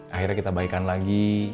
akhirnya kita baikan lagi